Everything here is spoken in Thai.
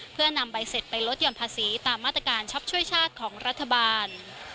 เพื่อนำใบเสร็จไปลดหย่อนภาษีตามมาตรการช็อปช่วยชาติของรัฐบาล